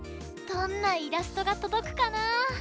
どんなイラストがとどくかな？